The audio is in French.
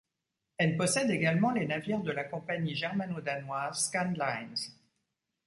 Elle possède également les navires de la compagnie germano-danoise Scandlines.